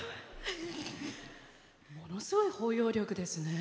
ものすごい包容力ですね。